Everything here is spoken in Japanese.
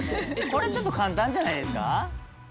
これはちょっと簡単じゃないですか？